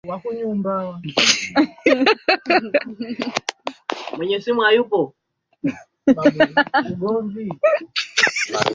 Alitaka utajiri wa Afrika utumike kwa ajili ya kuendeleza waafrika Leo tunaona Afrika inaendelea